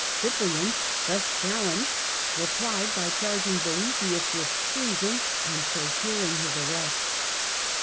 Cyprian, thus challenged, replied by charging Boethius with treason and procuring his arrest.